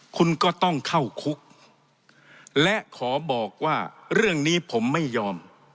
คุณก็ต้องเข้าคุกและขอบอกว่าเรื่องนี้ผมไม่ยอม